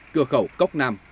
cưa khẩu cốc nam